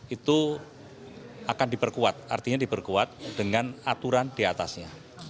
itu akan diperkuat artinya diperkuat dengan aturan diatasnya